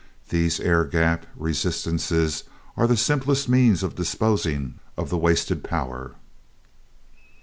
These air gap resistances are the simplest means of disposing of the wasted power."